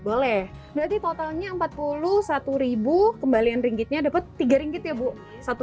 boleh berarti totalnya rp empat puluh satu kembalian ringgitnya dapat rp tiga ya bu